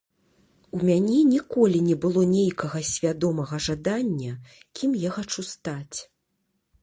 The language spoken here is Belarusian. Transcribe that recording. У мяне ніколі не было нейкага свядомага жадання, кім я хачу стаць.